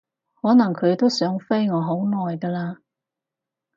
可能佢都想飛我好耐㗎喇